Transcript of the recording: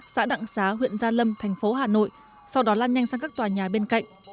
xã đặng xá huyện gia lâm tp hà nội sau đó lan nhanh sang các tòa nhà bên cạnh